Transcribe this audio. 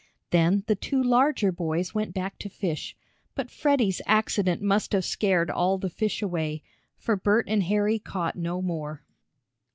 Then the two larger boys went back to fish, but Freddie's accident must have scared all the fish away, for Bert and Harry caught no more.